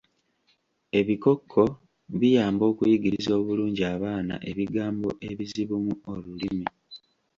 Ebikokko biyamba okuyigiriza obulungi abaana ebigambo ebizibu mu olulimi.